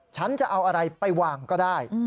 ฉันจะเอาอะไรไปวางก็ได้